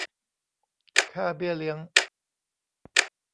ค่าเบี้ยเลี้ยง